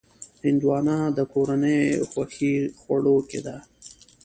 هندوانه د کورنیو خوښې خوړو کې ده.